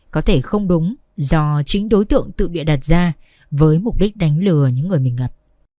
có thể không đúng do chính đối tượng tự bịa đặt ra với mục đích đánh lừa những người mình gặp